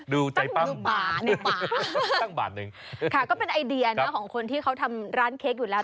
ดูป่าในป่าตั้งบาทหนึ่งค่ะก็เป็นไอเดียนะของคนที่เขาทำร้านเค้กอยู่แล้ว